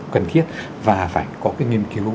cần thiết và phải có cái nghiên cứu